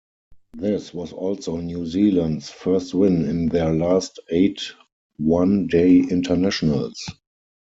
This was also New Zealand's first win in their last eight one-day internationals.